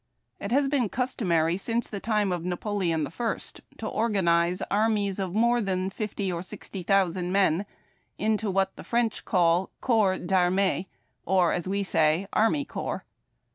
It has been customary since the time of Napoleon I. to organize armies of more than fifty or sixty thousand men into what the French call corps tVannee or, as Ave say, army corps.